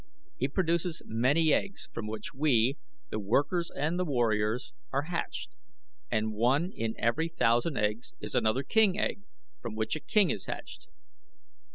He produces many eggs from which we, the workers and the warriors, are hatched; and one in every thousand eggs is another king egg, from which a king is hatched.